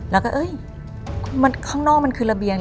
แล้วก็ข้างนอกมันคือระเบียง